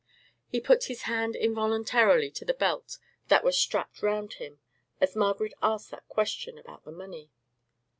He put his hand involuntarily to the belt that was strapped round him, as Margaret asked that question about the money.